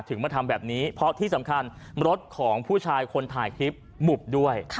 มาทำแบบนี้เพราะที่สำคัญรถของผู้ชายคนถ่ายคลิปบุบด้วย